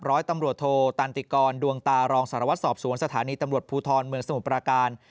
ร้อยตำรวจโทตันติกรดวงตารองสารวัตรสอบสวนสถานีตำรวจภูทรเมืองสมุทรประการ